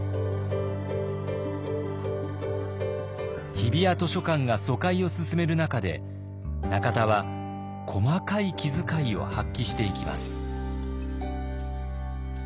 日比谷図書館が疎開を進める中で中田は細かい気づかいを発揮していきます。